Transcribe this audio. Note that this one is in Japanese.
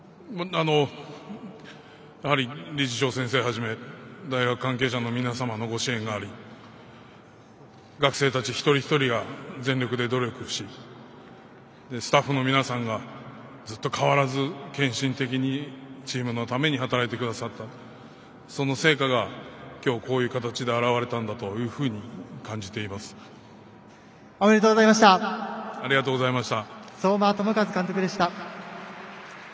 やはり、理事長先生をはじめ大学関係者の皆様の支えがあり学生たち一人一人が全力で努力をしスタッフの皆さんがずっと変わらず、献身的にチームのために働いてくださったその成果が今日こういう形で表れたとおめでとうございました。